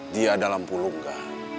dia dalam pulungga